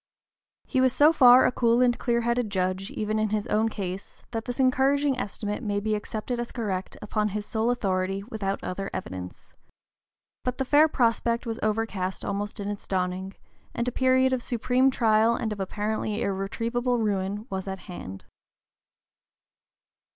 He was so far a cool and clear headed judge, even in his own case, that this encouraging estimate may be accepted as correct upon his sole authority without other evidence. But the fair prospect was overcast almost in its dawning, and a period of supreme trial and of apparently irretrievable ruin was at hand.